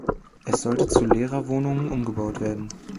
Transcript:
Es sollte zu Lehrerwohnungen umgebaut werden.